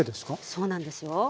そうなんですよ。